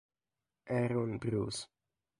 Aaron Bruce